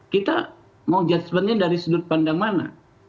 kita mau judgement nya dari sudut pandang mana